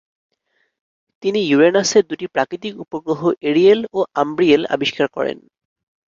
তিনি ইউরেনাসের দু’টি প্রাকৃতিক উপগ্রহ এরিয়েল ও আমব্রিয়েল আবিষ্কার করেন।